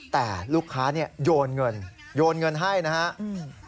แต่ลูกค้าเนี่ยโยนเงินโยนเงินให้นะครับ